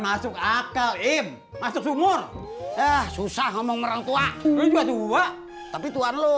banyak akal ip masuk sumur wah susah noong seo berat buah tapi tuhan lu